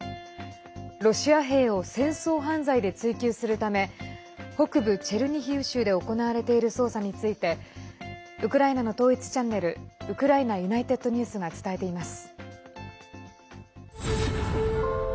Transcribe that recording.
ロシア兵を戦争犯罪で追及するため北部チェルニヒウ州で行われている捜査についてウクライナの統一チャンネルウクライナＵｎｉｔｅｄＮｅｗｓが伝えています。